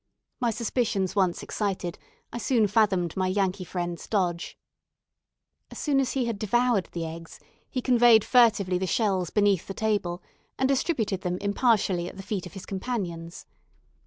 My suspicions once excited, I soon fathomed my Yankee friend's dodge. As soon as he had devoured the eggs, he conveyed furtively the shells beneath the table, and distributed them impartially at the feet of his companions.